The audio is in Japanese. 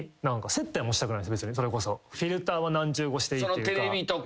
フィルターは何重越しでいいっていうか。